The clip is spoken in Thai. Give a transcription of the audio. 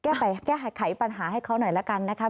แก้ไขปัญหาให้เขาหน่อยละกันนะคะ